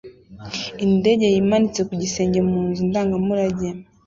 Indege yimanitse ku gisenge mu nzu ndangamurage